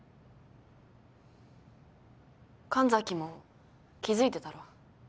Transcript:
神崎も気付いてたろ？